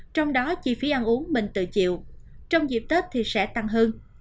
trong đó chi phí ăn uống mình tự chịu trong dịp tết thì sẽ tăng hơn